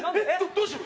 どうしよう？